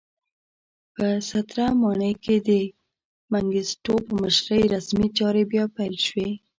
په ستره ماڼۍ کې د منګیسټیو په مشرۍ رسمي چارې بیا پیل شوې.